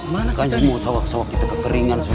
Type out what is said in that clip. mana kan semua sawah sawah kita kekeringan semua